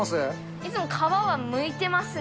いつも皮は剥いてますね。